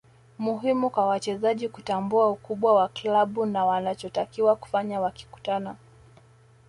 Muhimu kwa wachezaji kutambua ukubwa wa klabu na wanachotakiwa kufanya wakikutana